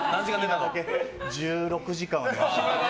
１６時間は寝ました。